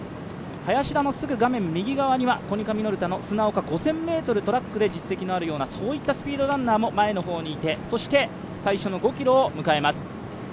林田のすぐ右側にはコニカミノルタの砂岡、５０００ｍトラックで実績のあるようなそういったスピードランナーも前の方にいて最初の５ｋｍを迎えます。